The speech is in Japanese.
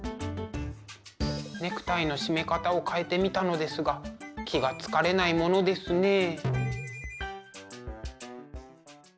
ネクタイの締め方を変えてみたのですが気が付かれないものですねえ。